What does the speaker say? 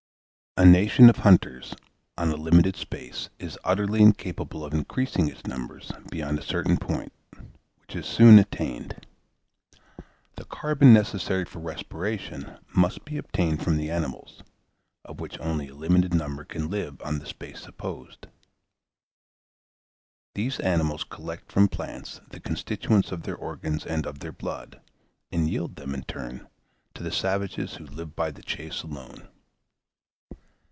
A nation of hunters, on a limited space, is utterly incapable of increasing its numbers beyond a certain point, which is soon attained. The carbon necessary for respiration must be obtained from the animals, of which only a limited number can live on the space supposed. These animals collect from plants the constituents of their organs and of their blood, and yield them, in turn, to the savages who live by the chase alone.